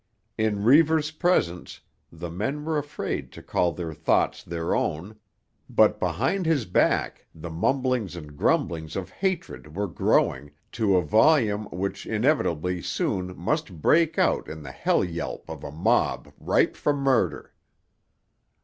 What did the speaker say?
In Reivers' presence the men were afraid to call their thoughts their own, but behind his back the mumblings and grumblings of hatred were growing to a volume which inevitably soon must break out in the hell yelp of a mob ripe for murder.